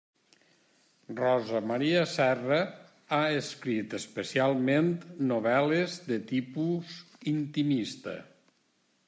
Rosa Maria Serra ha escrit especialment novel·les de tipus intimista.